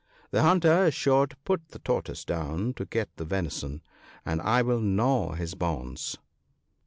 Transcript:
The hunter is sure to put the Tortoise down to get the venison, and I will gnaw his bonds."